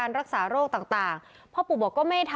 ทั้งหมดนี้คือลูกศิษย์ของพ่อปู่เรศรีนะคะ